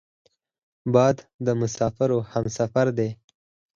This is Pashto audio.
باد د مسافرو همسفر دی